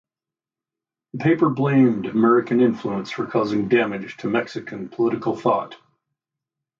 The paper blamed American influence for causing damage to Mexican political thought.